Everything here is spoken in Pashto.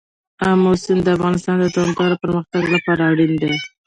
آمو سیند د افغانستان د دوامداره پرمختګ لپاره اړین دي.